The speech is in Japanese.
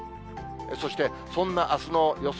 そして、そんなあすの予想